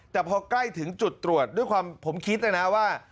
แต่พอใกล้ถึงจุดตรวจด้วยความผมคิดเลยนะว่า